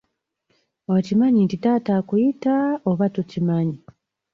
Okimanyi nti taata akuyita oba tokimanyi?